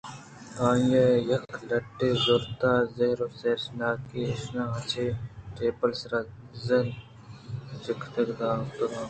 آئیءَ یک لٹّے زُرت ءُ زہرءَزہر ناکی ایشاناں چہ ٹبیل ءِ سرا زجہلءَ چگل دیان کُت اَنت